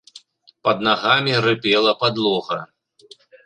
Пад нагамі рыпела падлога.